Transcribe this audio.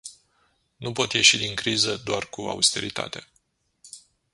Nu pot ieși din criză doar cu austeritate.